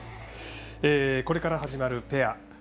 これから始まるペア。